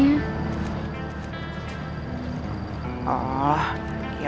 yang penting saya sudah tahu apa isi suratnya